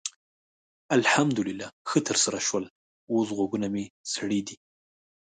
الحمدلله ښه ترسره شول؛ اوس غوږونه مې سړې دي.